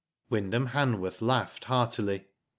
Wyndham Hanworth laughed heartily.